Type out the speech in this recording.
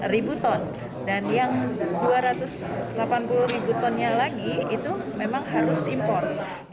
delapan puluh ribu tonnya lagi itu memang harus impor